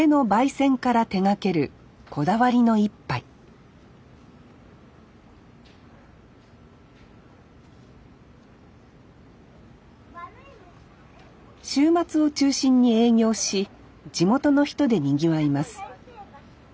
煎から手がけるこだわりの１杯週末を中心に営業し地元の人でにぎわいます